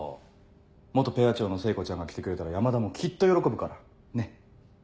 元ペア長の聖子ちゃんが来てくれたら山田もきっと喜ぶからねっ。